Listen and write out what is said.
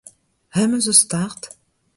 Hemañ zo start!